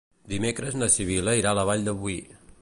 Dimecres na Sibil·la irà a la Vall de Boí.